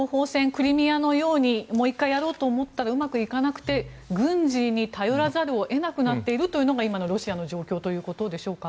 クリミアのようにもう１回やろうと思ったらうまくいかなくて軍事に頼らざるを得なくなっているというのが今のロシアの状況ということでしょうか？